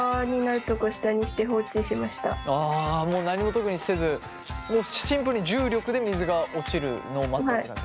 ああもう何も特にせずもうシンプルに重力で水が落ちるのを待った感じ。